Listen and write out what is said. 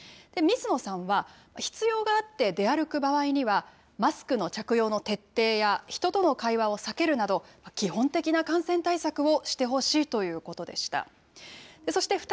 水野さんは、必要があって出歩く場合には、マスクの着用の徹底や、人との会話を避けるなど、基本的な感染対策をしてほしいということでした。